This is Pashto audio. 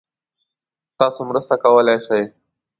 تاسو مرسته کولای شئ؟